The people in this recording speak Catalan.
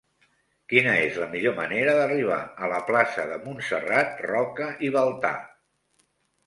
Quina és la millor manera d'arribar a la plaça de Montserrat Roca i Baltà?